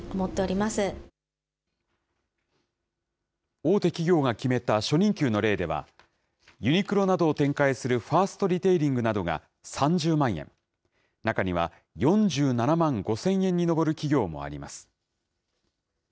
大手企業が決めた初任給の例では、ユニクロなどを展開するファーストリテイリングなどが３０万円、中には、４７万５０００円に上る企業もあります。